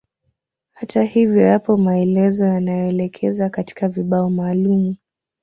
Hata hivyo yapo maelezo yanaoelekeza katika vibao maalumu